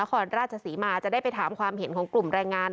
ครราชศรีมาจะได้ไปถามความเห็นของกลุ่มแรงงาน